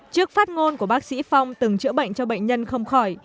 trước phát ngôn của bác sĩ phong từng chữa bệnh cho bệnh nhân không khỏi